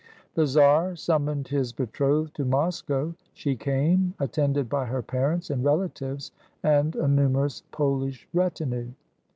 The czar summoned his betrothed to Moscow. She came, attended by her parents and relatives and a nu merous Polish retinue.